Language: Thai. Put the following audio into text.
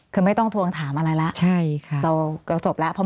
คือไม่ต้องทวงถามอะไรแล้วเราจบแล้ว